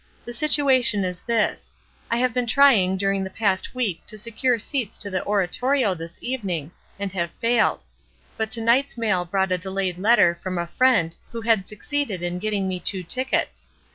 The situation is this: I have been tr3dng during the past week to secure seats for the Oratorio this evening, and have failed. But to night's mail brought a delayed letter from a friend who had suc ceeded in getting me two tickets.